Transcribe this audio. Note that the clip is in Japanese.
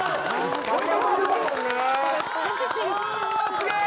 すげえ！